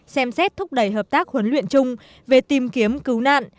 xem xét thúc đẩy hợp tác huấn luyện chung về tìm kiếm cứu nạn